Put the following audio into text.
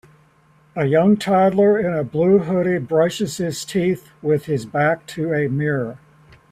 A young toddler in a blue hoodie brushes his teeth with his back to a mirror